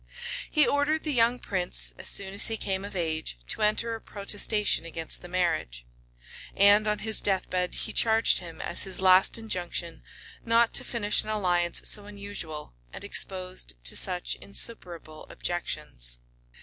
[*] He ordered the young prince, as soon as he came of age, to enter a protestation against the marriage;[] and on his death bed he charged him, as his last injunction, not to finish an alliance so unusual, and exposed to such insuperable objections.